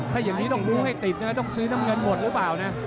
ถ้าอย่างนี้ต้องรู้ให้ติดนะต้องซื้อน้ำเงินหมดหรือเปล่านะ